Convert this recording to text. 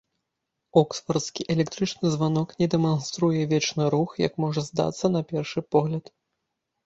Оксфардскі электрычны званок не дэманструе вечны рух, як можа здацца на першы погляд.